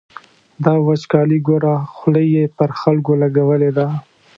دا وچکالي ګوره، خوله یې پر خلکو لګولې ده.